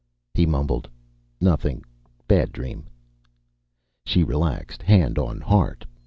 He mumbled, "Nothing. Bad dream." She relaxed, hand on heart.